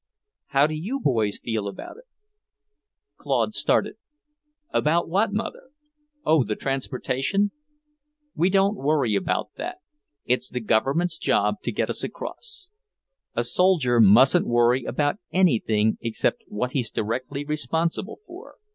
"How do you boys feel about it?" Claude started. "About what, Mother? Oh, the transportation! We don't worry about that. It's the Government's job to get us across. A soldier mustn't worry about anything except what he's directly responsible for.